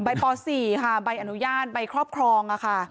ใบต่อสี่ค่ะใบอนุญาตใบครอบครองค่ะ